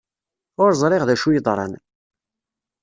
Ur ẓriɣ d acu yeḍran.